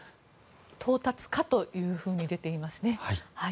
到達かというふうに出ていますね。